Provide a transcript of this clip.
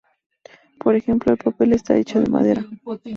Por ejemplo, el papel está hecho de madera.